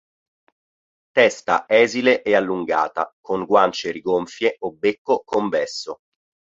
Testa esile e allungata, con guance rigonfie o becco convesso.